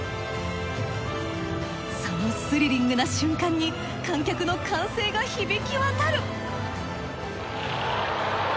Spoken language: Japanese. そのスリリングな瞬間に観客の歓声が響き渡る。